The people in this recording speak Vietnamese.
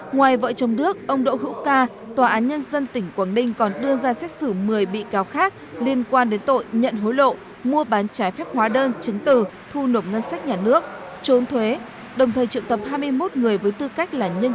ngoài vợ chồng đức ông đỗ hữu ca tòa án nhân dân tỉnh quảng ninh còn đưa ra xét xử một mươi bị cáo khác liên quan đến tội nhận hối lộ mua bán trái phép hóa đơn chứng từ thu nộp ngân sách nhà nước trốn thuế đồng thời triệu tập hai mươi một người với tư cách là nhân viên